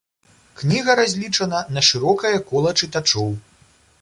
Кніга разлічана на шырокае кола чытачоў.